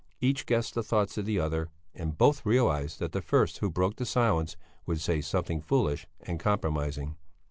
Each guessed the thoughts of the other, and both realized that the first who broke the silence would say something foolish and compromising.